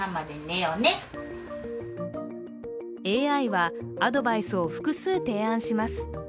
ＡＩはアドバイスを複数提案します。